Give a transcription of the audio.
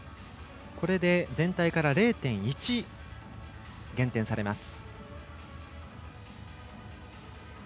これで全体から０．１減点されます。